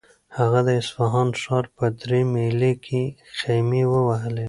هغه د اصفهان ښار په درې میلۍ کې خیمې ووهلې.